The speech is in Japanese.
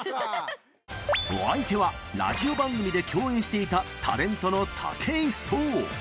お相手はラジオ番組で共演していたタレントの武井壮。